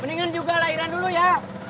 mendingan juga lahiran dulu ya